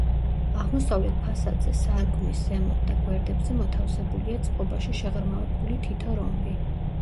აღმოსავლეთ ფასადზე, სარკმლის ზემოთ და გვერდებზე მოთავსებულია წყობაში შეღრმავებული, თითო რომბი.